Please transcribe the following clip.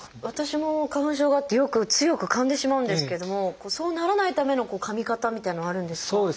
私も花粉症があってよく強くかんでしまうんですけどもそうならないためのかみ方みたいなのはあるんですか？